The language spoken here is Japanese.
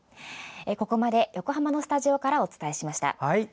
ここまで、横浜のスタジオからお伝えしました。